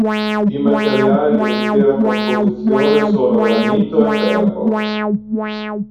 I materiali dell'intera composizione sono granito e ferro.